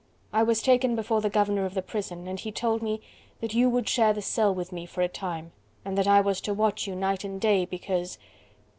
I was taken before the governor of the prison, and he told me that you would share the cell with me for a time, and that I was to watch you night and day, because..."